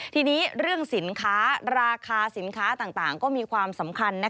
ทีนี้เรื่องสินค้าราคาสินค้าต่างก็มีความสำคัญ